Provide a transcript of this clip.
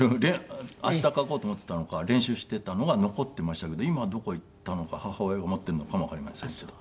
明日書こうと思っていたのか練習していたのが残っていましたけど今どこ行ったのか母親が持っているのかもわかりませんけど。